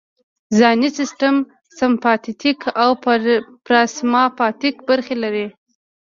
ځانی سیستم سمپاتیتیک او پاراسمپاتیتیک برخې لري